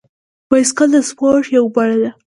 بایسکل د سپورت یوه بڼه ده.